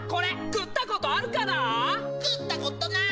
食ったことない！